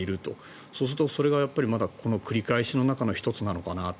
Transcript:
そうするとそれがまだ繰り返しの中の１つなのかなと。